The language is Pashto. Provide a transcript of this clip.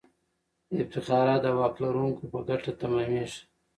افتخارات د واک لرونکو په ګټه تمامیږي.